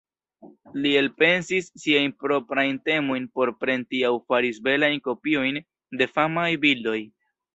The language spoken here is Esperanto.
Li elpensis siajn proprajn temojn por pentri aŭ faris belajn kopiojn de famaj bildoj.